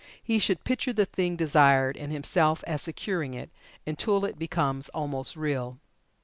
He should picture the thing desired, and himself as securing it, until it becomes almost real.